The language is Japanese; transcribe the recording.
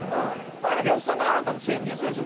あれ呂布さんの新たな戦術ですよ。